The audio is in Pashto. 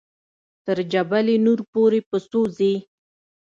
تر جبل نور پورې په څو ځې.